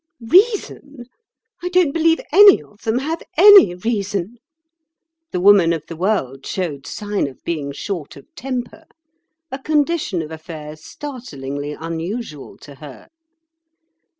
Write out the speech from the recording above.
"Reason! I don't believe any of them have any reason." The Woman of the World showed sign of being short of temper, a condition of affairs startlingly unusual to her.